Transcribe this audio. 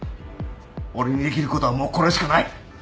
俺にできることはもうこれしかない。